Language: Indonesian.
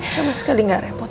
sama sekali gak repot